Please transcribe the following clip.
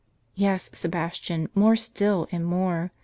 "Yes, Sebastian, more still, and more.